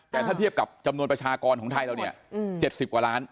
แต่ถ้าเทียบกับจำนวนประชากรของไทยเราเนี่ย๗๐กว่าล้าน